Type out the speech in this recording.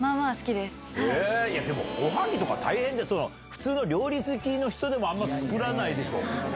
でも、おはぎとか大変、本当に料理好きの人でも、あんま作らないでしょ。